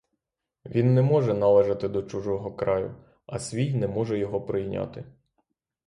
Він не може належати до чужого краю, а свій не може його прийняти.